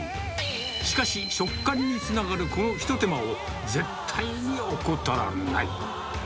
しかし、食感につながるこの一手間を、絶対に怠らない。